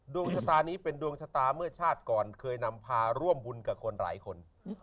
ดวงชะตานี้เป็นดวงชะตาเมื่อชาติก่อนเคยนำพาร่วมบุญกับคนหลายคน